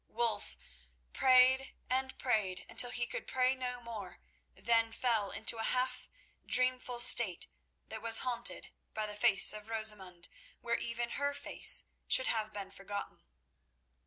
Wulf prayed and prayed until he could pray no more, then fell into a half dreamful state that was haunted by the face of Rosamund, where even her face should have been forgotten.